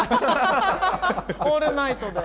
オールナイトで。